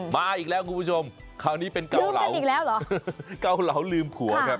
มาอีกแล้วคุณผู้ชมคราวนี้เป็นเกาเหลาลืมผัวครับ